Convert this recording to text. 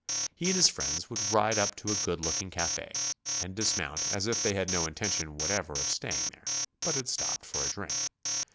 He and his friends would ride up to a good looking cafe and dismount as if they had no intention whatever of staying there, but had stopped for a drink.